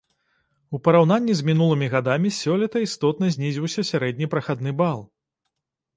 У параўнанні з мінулымі гадамі сёлета істотна знізіўся сярэдні прахадны бал.